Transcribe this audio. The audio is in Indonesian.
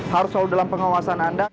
harus selalu dalam pengawasan anda